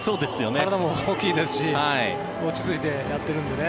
体も大きいですし落ち着いてやっているんでね。